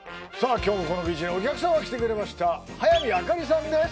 今日もこのビーチにお客様来てくれました早見あかりさんです